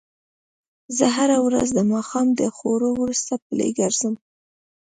زه هره ورځ د ماښام د خوړو وروسته پلۍ ګرځم